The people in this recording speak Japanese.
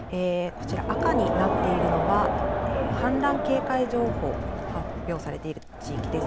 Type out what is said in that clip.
赤になっているのは氾濫警戒情報、発表されている地域です。